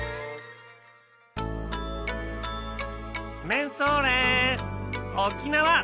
めんそれ沖縄！